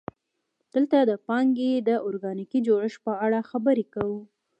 دلته د پانګې د ارګانیکي جوړښت په اړه خبرې کوو